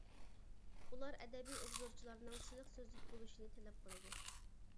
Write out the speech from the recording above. ئۇلار ئەدەبىي ئوبزورچىلارنىڭ سىلىق سۆزلۈك بولۇشىنى تەلەپ قىلىدۇ.